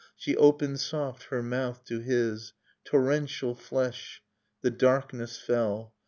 She opened soft her mouth to his. Torrential flesh! — The darkness fell.